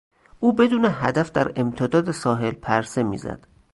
او بدون هدف در امتداد ساحل پرسه میزد.